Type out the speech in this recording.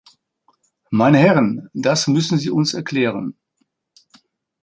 Meine Herren, das müssen Sie uns erklären.